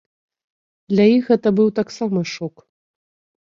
Для іх гэта быў таксама шок.